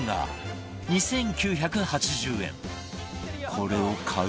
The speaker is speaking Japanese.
これを買う？